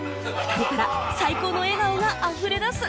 ２人から最高の笑顔があふれ出す